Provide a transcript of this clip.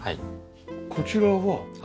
こちらは？